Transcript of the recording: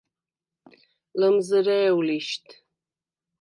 ლჷმზჷრე̄უ̂ ლიშდ!